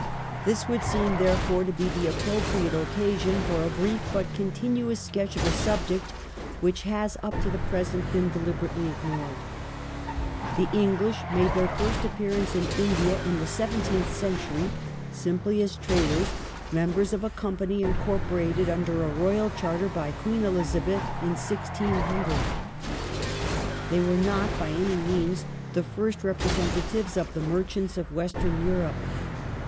This would seem, therefore, to be the appropriate occasion for a brief but continuous sketch of a subject which has, up to the present, been deliberately ignored. British The English made their fii st appearance in India in the merchants sgvgnteenth century,^ simply as traders, members of a Company incorporated under a Royal Charter by Queen Elizal)eth (1600). They were not by any means the fii*st representatives of the merchants of Western Europe.